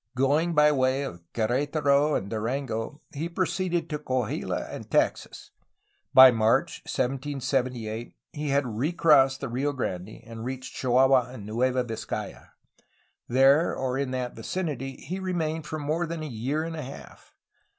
Going by way of Quer^taro and Durango, he proceeded to Coahuila and Texas. By March 1778 he had recrossed the Rio Grande and reached Chihuahua in Nueva Vizcaya. There or in that vicinity he remained for more than a year and a half.